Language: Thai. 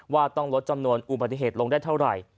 ว่าต้องลดจำนวนอุบัติเหตุลงได้เท่าไหร่